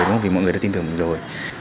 đúng không vì mọi người đã tin tưởng mình rồi